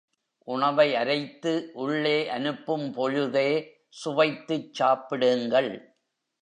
உணவை அரைத்து உள்ளே அனுப்பும் பொழுதே, சுவைத்துச் சாப்பிடுங்கள்.